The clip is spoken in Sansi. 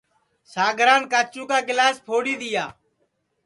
ساگران کاچُو کا گِلاس پھوڑی دؔیا